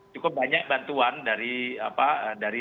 cukup banyak bantuan dari